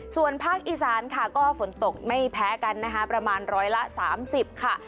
ส่วนภาคอีสานค่ะก็ฝนตกไม่แพ้กันนะคะประมาณร้อยละ๓๐ค่ะ